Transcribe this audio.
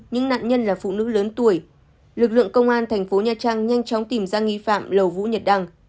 những nạn nhân là phụ nữ lớn tuổi lực lượng công an thành phố nha trang nhanh chóng tìm ra nghi phạm lầu vũ nhật đăng